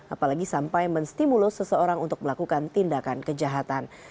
apalagi sampai menstimulus seseorang untuk melakukan tindakan kejahatan